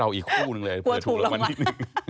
เราอีกคู่นึงเลยเผื่อถูกละมันนิดนึง